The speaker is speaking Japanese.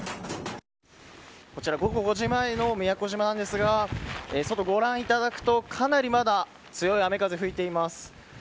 こちら午後５時前の宮古島なんですが外、ご覧いただくとかなり、まだ強い雨風が吹いています。